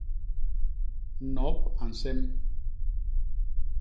Nop a nsem.